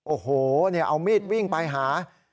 โอ้โหเอามีดวิ่งไปหา